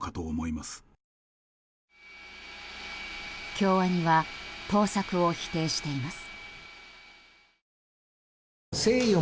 京アニは盗作を否定しています。